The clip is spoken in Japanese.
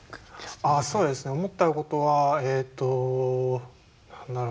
そうですね思ったことはえっと何だろう